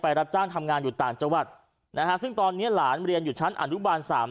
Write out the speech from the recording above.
รับจ้างทำงานอยู่ต่างจังหวัดนะฮะซึ่งตอนนี้หลานเรียนอยู่ชั้นอนุบาลสาม